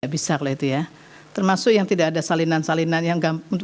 bisa kalau itu ya termasuk yang tidak ada salinan salinan yang